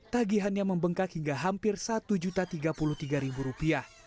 tagihannya membengkak hingga hampir rp satu tiga puluh tiga